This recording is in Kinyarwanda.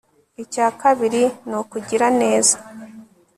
icya kabiri ni ukugira neza